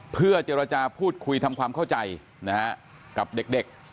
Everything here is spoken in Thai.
เพื่อเจรจาพูดคุยทำความเข้าใจกับเด็ก